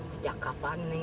sejak kapan nih